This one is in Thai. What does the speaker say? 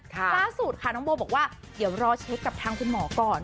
ล่าสุดค่ะน้องโบบอกว่าเดี๋ยวรอเช็คกับทางคุณหมอก่อน